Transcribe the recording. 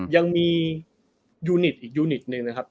ยังมียูนิตอีกยูนิตหนึ่งนะครับ